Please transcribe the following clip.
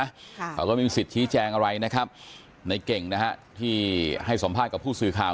เขาก็ไม่มีสิทธิ์ชี้แจงอะไรนะครับในเก่งนะฮะที่ให้สัมภาษณ์กับผู้สื่อข่าว